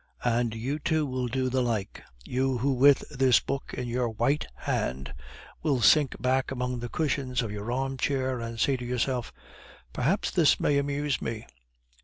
And you, too, will do the like; you who with this book in your white hand will sink back among the cushions of your armchair, and say to yourself, "Perhaps this may amuse me."